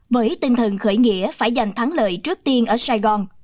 với tinh thần khởi nghĩa phải giành thắng lợi trước tiên ở sài gòn